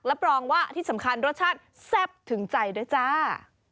รับรองว่าที่สำคัญรสชาติแซ่บถึงใจด้วยจ้า